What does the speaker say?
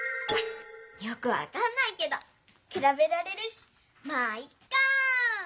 よくわかんないけどくらべられるしまぁいっか！